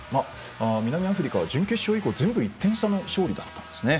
南アフリカは準決勝以降全部１点差の勝利だったんですね。